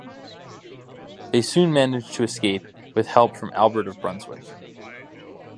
They soon managed to escape with help from Albert of Brunswick.